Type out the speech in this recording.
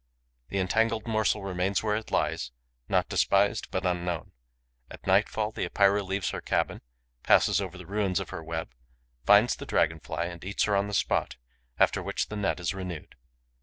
The entangled morsel remains where it lies, not despised, but unknown. At nightfall, the Epeira leaves her cabin, passes over the ruins of her web, finds the Dragon fly and eats her on the spot, after which the net is renewed.